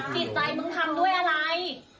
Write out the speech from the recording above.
จิตใจมึงทำด้วยอะไร